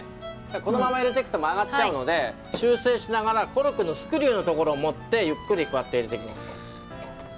このまま入れていくと曲がっちゃうので修正しながらコルクのスクリューのところを持ってゆっくりこうやって入れていきます。